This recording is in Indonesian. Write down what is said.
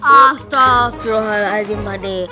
astagfirullahaladzim pak d